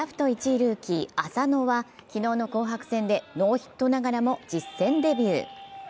ルーキー浅野は昨日の紅白戦でノーヒットながらも実戦デビュー。